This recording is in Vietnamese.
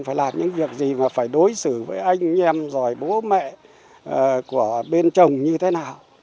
phải làm những việc gì và phải đối xử với anh em rồi bố mẹ của bên chồng như thế nào